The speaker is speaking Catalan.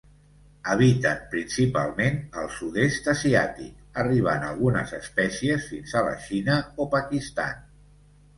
Habiten principalment al sud-est asiàtic, arribant algunes espècies fins a la Xina o Pakistan.